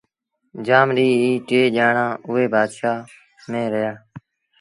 جآم ڏيݩهݩ اي ٽئيٚ ڄآڻآݩ اُئي بآشآئيٚ ميݩ رهيآ